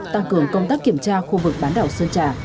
tăng cường công tác kiểm tra khu vực bán đảo sơn trà